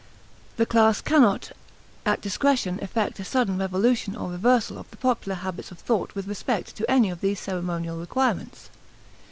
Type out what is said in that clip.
The class cannot at discretion effect a sudden revolution or reversal of the popular habits of thought with respect to any of these ceremonial requirements.